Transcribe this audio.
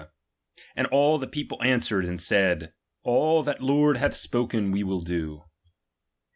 And all the people an swered, and said : All that the Lord hath spohen we will do.